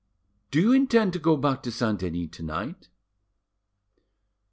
"Do you intend to go back to Saint Denis to night?"